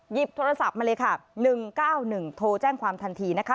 หยิบโทรศัพท์มาเลยค่ะ๑๙๑โทรแจ้งความทันทีนะคะ